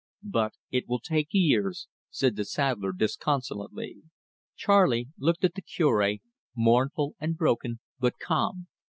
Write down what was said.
"But it will take years," said the saddler disconsolately. Charley looked at the Cure, mournful and broken but calm.